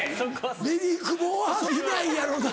ミリクボはいないやろな。